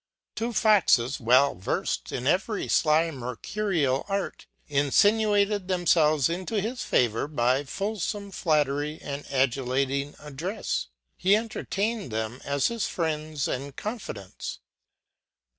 Two Foxes, well verfed in every fly mercurial art, infinuated them felves into his favor by fulfome flattery and adulating addrefs. He entertained them as his friends and confidents.